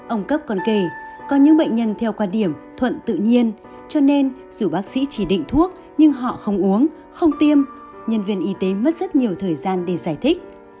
ông cấp còn kể có những bệnh nhân theo quan điểm thuận tự nhiên cho nên dù bác sĩ chỉ định thuốc nhưng họ không uống không tiêm nhân viên y tế mất rất nhiều thời gian để giải thích